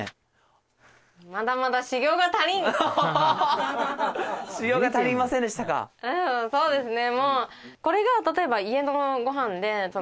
ハハハ修業が足りませんでしたかそうですね